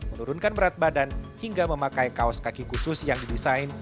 menurunkan berat badan hingga memakai kaos kaki khusus yang didesain